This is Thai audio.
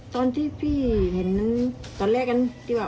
ตอนที่พี่เห็นตอนแรกออกมายังไม่เริ่มอ่ะ๔คน